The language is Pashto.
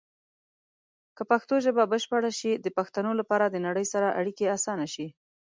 که پښتو ژبه بشپړه شي، د پښتنو لپاره د نړۍ سره اړیکې اسانه شي.